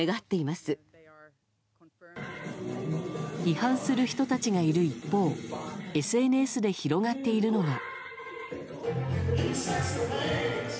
批判する人たちがいる一方ＳＮＳで広がっているのが。